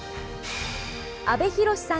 阿部寛さん